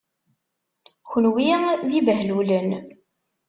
Kenwi d ibehlulen.